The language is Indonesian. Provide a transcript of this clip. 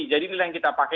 jadi ini yang kita pakai